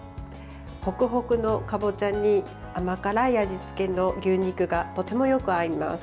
ホクホクのかぼちゃに甘辛い味付けの牛肉がとてもよく合います。